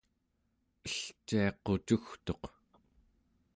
elciaqucugtuq